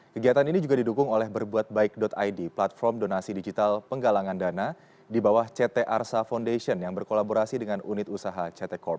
kegiatan ini juga didukung oleh berbuatbaik id platform donasi digital penggalangan dana di bawah ct arsa foundation yang berkolaborasi dengan unit usaha ct corp